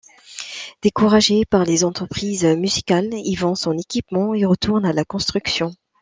Découragé par les entreprises musicales, il vend son équipement et retourne à la construction.